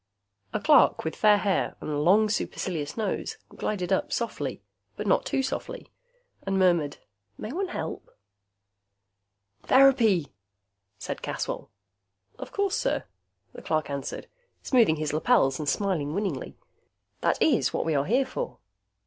A clerk with fair hair and a long, supercilious nose glided up softly, but not too softly, and murmured, "May one help?" "Therapy!" said Caswell. "Of course, sir," the clerk answered, smoothing his lapels and smiling winningly. "That is what we are here for."